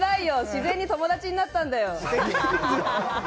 自然に友達になったんだよ。